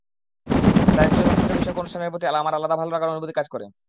তাই চলচ্চিত্রবিষয়ক অনুষ্ঠানের প্রতি আমার আলাদা ভালো লাগার অনুভূতি কাজ করে।